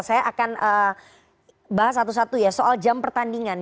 saya akan bahas satu satu ya soal jam pertandingan